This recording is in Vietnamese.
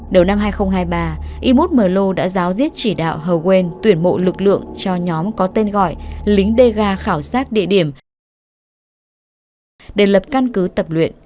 đầu năm hai nghìn hai mươi ba i một mờ lô đã giáo diết chỉ đạo hờ quên tuyển mộ lực lượng cho nhóm có tên gọi lính dega khảo sát địa điểm để lập căn cứ tập luyện